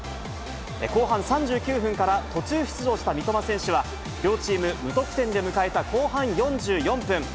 後半３９分から途中出場した三笘選手は、両チーム無得点で迎えた後半４４分。